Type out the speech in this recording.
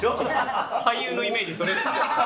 俳優のイメージ、それですか？